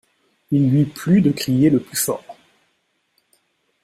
Il lui plut de crier le plus fort.